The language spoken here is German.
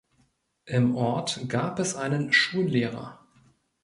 Im Ort gab es einen Schullehrer.